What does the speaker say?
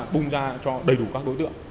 bung ra cho đầy đủ các đối tượng